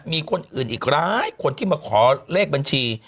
มีคนอื่นอีกหลายคนที่มาขอเลขบัญชี